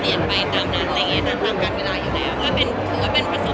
มันไม่ใช่ล่ะที่เราก็ต้องมารู้ว่าใครพูดอะไร